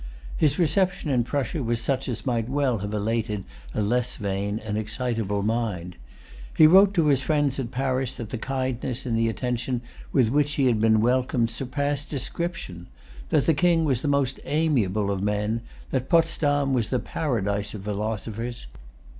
His reception in Prussia was such as might well have elated a less vain and excitable mind. He wrote to his friends at Paris that the kindness and the attention with which he had been welcomed surpassed description, that the King was the most amiable of men, that Potsdam was the paradise of philosophers.